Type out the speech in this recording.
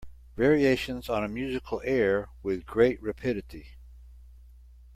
Variations on a musical air With great rapidity.